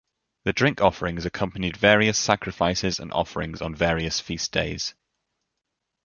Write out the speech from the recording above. The drink offering accompanied various sacrifices and offerings on various feast days.